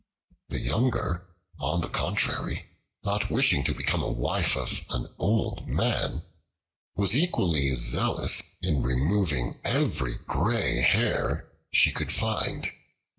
The younger, on the contrary, not wishing to become the wife of an old man, was equally zealous in removing every gray hair she could find.